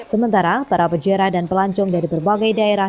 sementara para pejara dan pelancong dari berbagai daerah